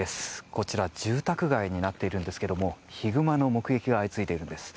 こちら、住宅街になっているんですけれどもヒグマの目撃が相次いでいるんです。